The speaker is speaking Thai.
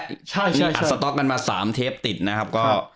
ใช่อัดสต๊อกกันมา๓เทปติดนะครับ